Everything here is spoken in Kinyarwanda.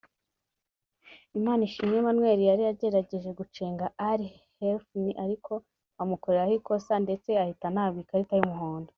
Imanishimwe Emmanuel yari agerageje gucenga Aly Hefny ariko amukoreraho ikosa ndetse ahita anahabwa ikarita y' umuhondo